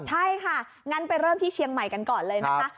ใช่ค่ะงั้นไปเริ่มที่เชียงใหม่กันก่อนเลยนะคะ